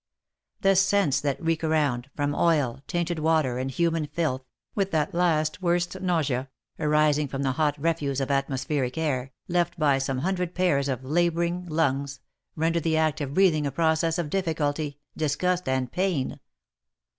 The scents that reek around, from oil, tainted water, and human filth, with that last worst nausea, arising from the hot refuse of atmospheric air, left by some hundred pairs of labouring lungs, render the act of breath ing a process of difficulty, disgust, and pain.